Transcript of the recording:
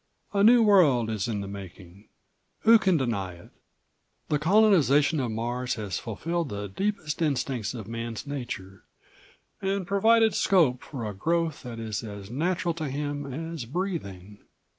A new world is in the making. Who can deny it? The colonization of Mars has fulfilled the deepest instincts of Man's nature, and provided scope for a growth that is as natural to him as breathing.